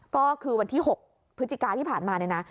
ก็คือวันที่๖พฤศจิกาที่ผ่านมาเนี่ยนะ